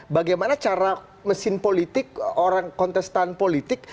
bagaimana cara mesin politik orang kontestan politik